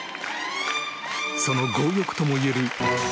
その強欲とも言える飽く